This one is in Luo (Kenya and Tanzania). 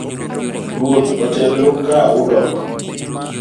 Ruoth otelnu ka udok